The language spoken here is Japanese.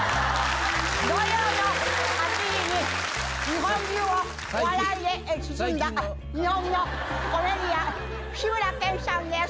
土曜の８時に日本中を笑いで包んだ日本のコメディアン志村けんさんです